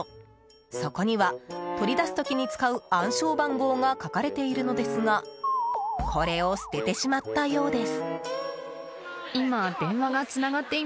そこには取り出す時に使う暗証番号が書かれているのですがこれを捨ててしまったようです。